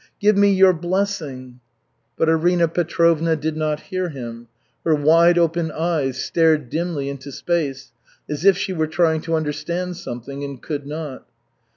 Give me your blessing!" But Arina Petrovna did not hear him. Her wide open eyes stared dimly into space as if she were trying to understand something and could not.